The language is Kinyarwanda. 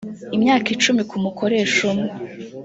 imyaka icumi ku mukoresha umwe